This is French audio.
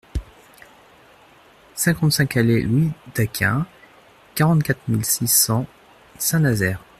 cinquante-cinq allée Louis Daquin, quarante-quatre mille six cents Saint-Nazaire